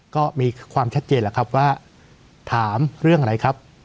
ก็มีความชัดเจนแล้วครับว่าถามเรื่องอะไรครับ